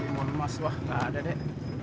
timun emas wah gak ada deh